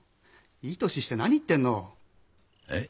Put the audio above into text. いい年して何言ってるの。え？